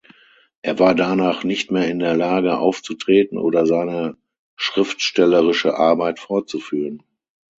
Er war danach nicht mehr in der Lage aufzutreten oder seine schriftstellerische Arbeit fortzuführen.